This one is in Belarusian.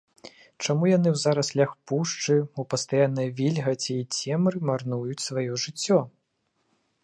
Чаму яны ў зараслях пушчы, у пастаяннай вільгаці і цемры марнуюць сваё жыццё?!.